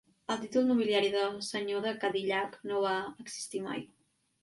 El títol nobiliari de senyor de Cadillac no va existir mai.